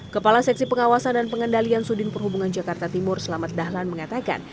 kepala seksi pengawasan dan pengendalian sudin perhubungan jakarta timur selamat dahlan mengatakan